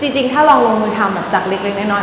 จริงถ้าลองลงมือทำจากเล็กแน่นอน